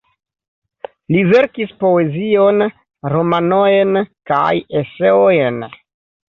Li verkis poezion, romanojn kaj eseojn.